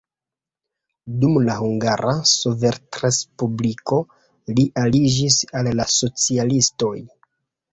Dum la Hungara Sovetrespubliko li aliĝis al la socialistoj.